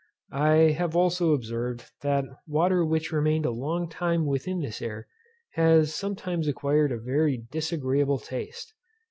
I have also observed, that water which remained a long time within this air has sometimes acquired a very disagreeable taste.